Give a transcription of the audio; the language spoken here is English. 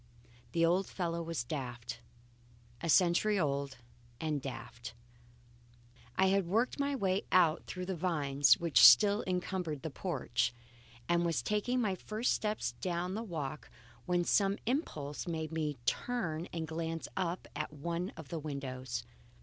The old fellow was daft. A century old, and daft. I had worked my way out through the vines which still encumbered the porch, and was taking my first steps down the walk, when some impulse made me turn and glance up at one of the windows.